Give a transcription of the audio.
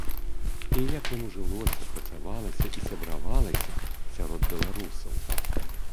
І як яму жылося, працавалася і сябравалася сярод беларусаў?